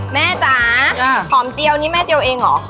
แม่จ๊าอาห่ำเจียวนี้แม่เจียวเองหรอ